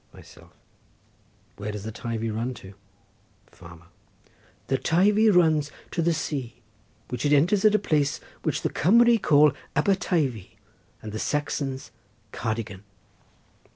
Myself.—Where does the Teivi run to? Farmer.—The Teivi runs to the sea, which it enters at a place which the Cumry call Aber Teivi and the Saxons Cardigan.